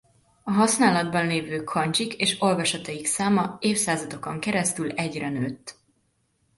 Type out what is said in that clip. A használatban lévő kandzsik és olvasataik száma évszázadokon keresztül egyre nőtt.